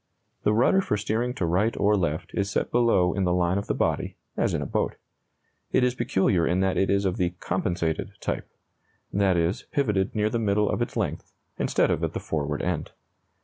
The rudder for steering to right or left is set below in the line of the body, as in a boat. It is peculiar in that it is of the "compensated" type; that is, pivoted near the middle of its length, instead of at the forward end.